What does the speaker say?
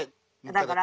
だから。